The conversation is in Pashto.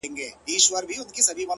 سیاه پوسي ده ـ خُم چپه پروت دی ـ